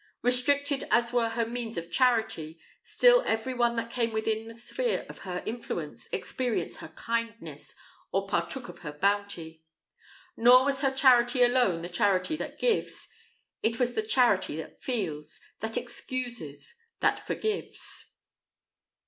Restricted as were her means of charity, still every one that came within the sphere of her influence experienced her kindness, or partook of her bounty. Nor was her charity alone the charity that gives; it was the charity that feels, that excuses, that forgives.